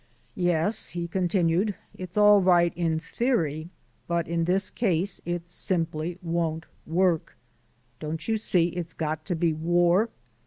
"Yes," he continued, "it's all right in theory; but in this case it simply won't work. Don't you see it's got to be war?